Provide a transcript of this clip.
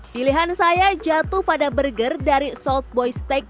pilihan saya jatuh pada burger dari salt boy steakhouse